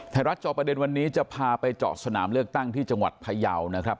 จอประเด็นวันนี้จะพาไปเจาะสนามเลือกตั้งที่จังหวัดพยาวนะครับ